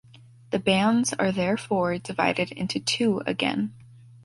The bands are therefore divided into two again.